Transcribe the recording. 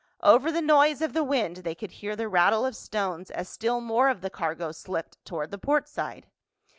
Over the noise of the wind they could hear the rattle of stones as still more of the cargo slipped toward the portside.